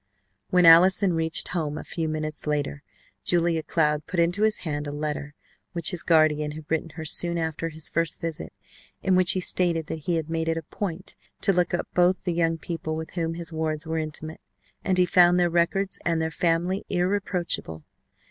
When Allison reached home a few minutes later Julia Cloud put into his hand a letter which his guardian had written her soon after his first visit, in which he stated that he had made it a point to look up both the young people with whom his wards were intimate, and he found their records and their family irreproachable.